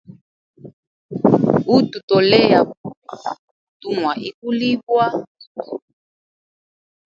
Utu tolea bubi, tumwa ikulibwa.